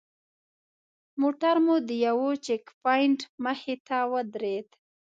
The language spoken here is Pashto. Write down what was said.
موټر مو د یوه چیک پواینټ مخې ته ودرېد.